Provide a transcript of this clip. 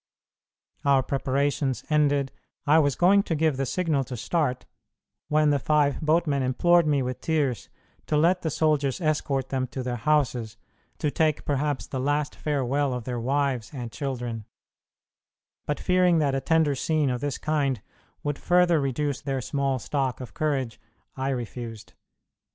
Our preparations ended, I was going to give the signal to start, when the five boatmen implored me with tears to let the soldiers escort them to their houses, to take perhaps the last farewell of their wives and children; but, fearing that a tender scene of this kind would further reduce their small stock of courage, I refused.